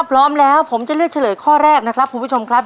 พร้อมแล้วผมจะเลือกเฉลยข้อแรกนะครับคุณผู้ชมครับ